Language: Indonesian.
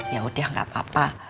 yaudah gak apa apa